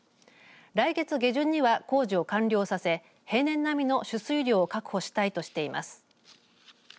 来月下旬には工事を完了させ平年並みの取水量を確保したいとしています。